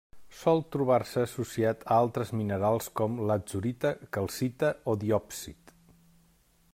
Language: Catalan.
Sol trobar-se associat a altres minerals com: latzurita, calcita o diòpsid.